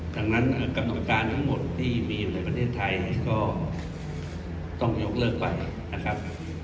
ดังนั้นกรรมการทั้งหมดที่มีอยู่ในประเทศไทยก็ต้องยกเลิกไปนะครับ